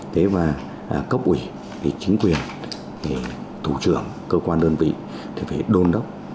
thế và cấp ủy thì chính quyền thì thủ trưởng cơ quan đơn vị thì phải đôn đốc